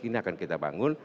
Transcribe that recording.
ini akan kita bangun